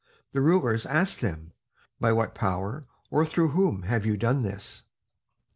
The rulers asked them: "By what power, or through whom have you done this?"